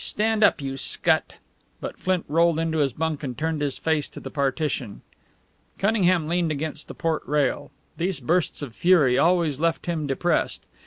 Stand up, you scut!" But Flint rolled into his bunk and turned his face to the partition. Cunningham leaned against the port rail. These bursts of fury always left him depressed.